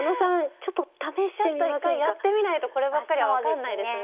ちょっと一回やってみないとこればっかりは分かんないですね。